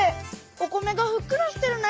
お米がふっくらしてるね。